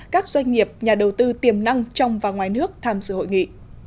các doanh nghiệp nhà đầu tư tiềm năng trong và ngoài nước tham dự hội nghị